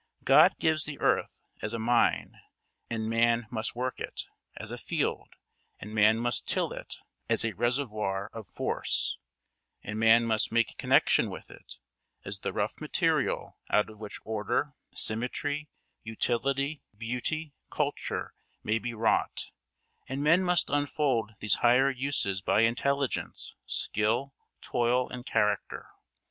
God gives the earth as a mine, and man must work it; as a field, and man must till it; as a reservoir of force, and man must make connection with it; as the rough material out of which order, symmetry, utility, beauty, culture may be wrought, and men must unfold these higher uses by intelligence, skill, toil, and character.